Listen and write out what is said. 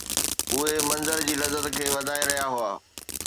اهي منظر جي لذت کي وڌائي رهيا هئا